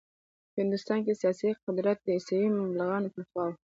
په هندوستان کې سیاسي قدرت د عیسوي مبلغانو پر خوا و.